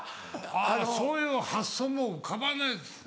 あっそういう発想も浮かばないですね。